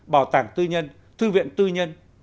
bảo tàng tư nhân thư viện tư nhân